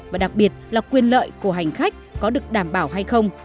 và đặc biệt là quyền lợi của hành khách có được đảm bảo hay không